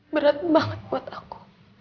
berat banget buat aku